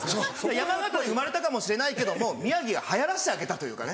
山形で生まれたかもしれないけども宮城が流行らせてあげたというかね。